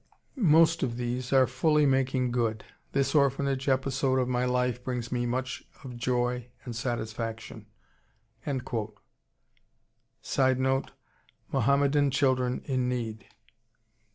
Most of these are fully making good. This orphanage episode of my life brings me much of joy and satisfaction." [Sidenote: Mohammedan children in need.